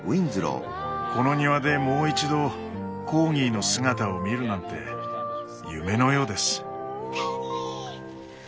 この庭でもう一度コーギーの姿を見るなんて夢のようです。